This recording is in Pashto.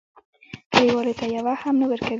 کلیوالو ته یوه هم نه ورکوي.